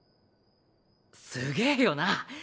すげぇよな。